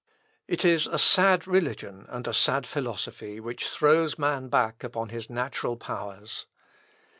It is a sad religion and a sad philosophy which throws man back upon his natural powers.